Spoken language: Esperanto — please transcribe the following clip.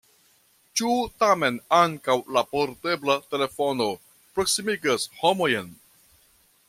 Ĉu tamen ankaŭ la portebla telefono proksimigas homojn?